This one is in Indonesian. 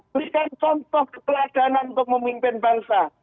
berikan contoh kepeladanan untuk memimpin bangsa